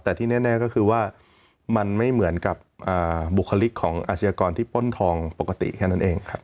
แต่ที่แน่ก็คือว่ามันไม่เหมือนกับบุคลิกของอาชญากรที่ป้นทองปกติแค่นั้นเองครับ